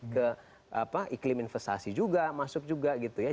ke iklim investasi juga masuk juga gitu ya